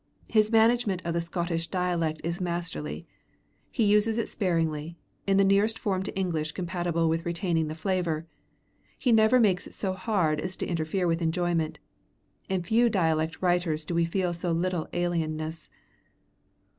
His management of the Scotch dialect is masterly: he uses it sparingly, in the nearest form to English compatible with retaining the flavor; he never makes it so hard as to interfere with enjoyment; in few dialect writers do we feel so little alienness.